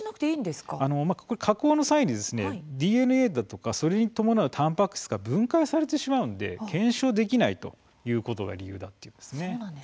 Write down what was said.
加工の際にＤＮＡそれに伴うたんぱく質が分解されてしまうので検証できないということが理由なんです。